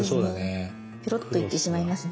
ペロッと行ってしまいますね。